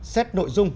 xét nội dung